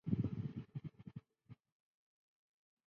白彦陶力木湖在蒙古语中的意思是富饶的盆地。